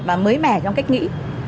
và mới mẻ trong cách nghĩ